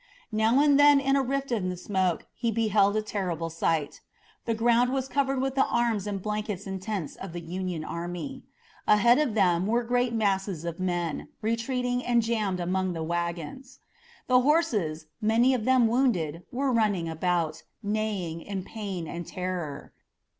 Now and then in a rift in the smoke he beheld a terrible sight. The ground was covered with the arms and blankets and tents of the Union army. Ahead of them were great masses of men, retreating and jammed among the wagons. The horses, many of them wounded, were running about, neighing in pain and terror.